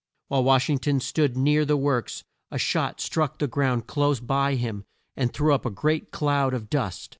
While Wash ing ton stood near the works a shot struck the ground close by him and threw up a great cloud of dust.